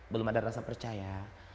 belum ada rasa percaya